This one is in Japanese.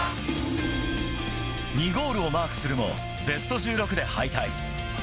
２ゴールをマークするも、ベスト１６で敗退。